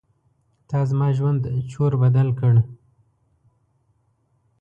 تا زما ژوند چور بدل کړ.